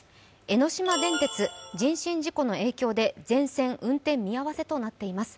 江ノ島電鉄、人身事故の影響で全線運転見合わせとなっています。